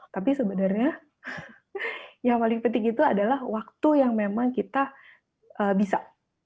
tapi sebenarnya yang paling penting itu adalah waktu yang memang kita bisa